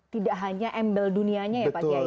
tidak hanya embel dunianya ya pak kiai